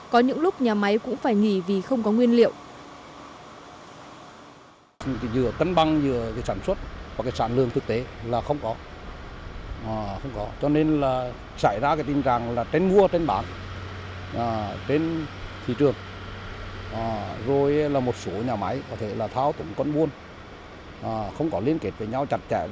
có những lúc nhà máy cũng phải nghỉ vì không có nguyên liệu